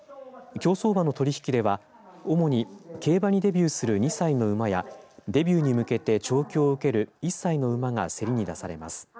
競走馬の取引では主に競馬にデビューする２歳の馬やデビューに向けて調教を受ける１歳の馬がせりに出されます。